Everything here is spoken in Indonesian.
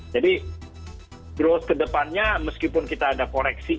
jadi growth kedepannya meskipun kita ada koreksi